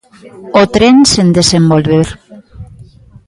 O tren sen desenvolver.